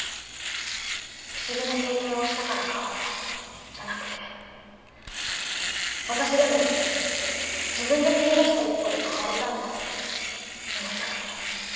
「不思議な経験をしたから変わった」じゃなくて私でも自分で踏み出した一歩で変われたんだって思いたくて。